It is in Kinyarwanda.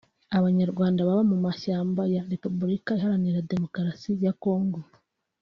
Abanyarwanda baba mu mashyamba ya Repubulika Iharanira Demokarasi ya Congo